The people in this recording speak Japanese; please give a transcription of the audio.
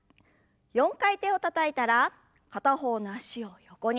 ４回手をたたいたら片方の脚を横に。